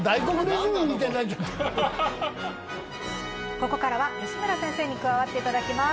ここからは吉村先生に加わっていただきます。